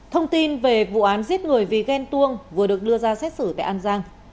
thông tin về vụ án giết người vì ghen tuông vừa được đưa ra xét xử tại an giang